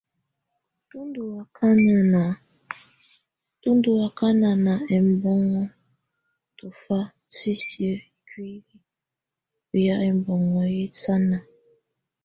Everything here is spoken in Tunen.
Tù bdɔ̀ ɔkana ɛmbɔ̀má tɔ̀fa sisiǝ́ ikuili ɔ́ yá ɛbɔŋɔ yɛ́ sa nàà.